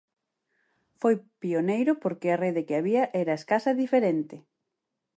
Foi pioneiro porque a rede que había era escasa e diferente.